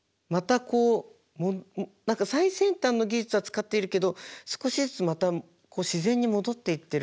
何か最先端の技術は使っているけど少しずつまたこう自然に戻っていっている感じが。